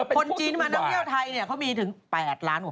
ผู้จีนมาน้ำเยี่ยวไทยเขามีถึง๘ล้านกว่าคนอะครับ